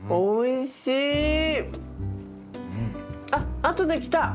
あっあとできた！